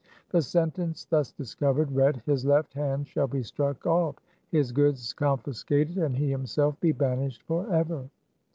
The sentence thus discovered read :" His left hand shall be struck off, his goods confiscated, and he himself be banished forever."